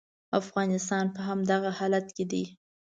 افغانستان په همدغه حالت کې دی.